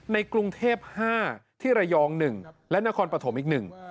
ในกรุงเทพ๕ที่ระยอง๑และนครปฐมอีกหนึ่ง